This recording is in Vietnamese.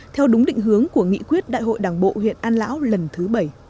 theo đúng định hướng của nghị quyết đại hội đảng bộ huyện an lão lần thứ bảy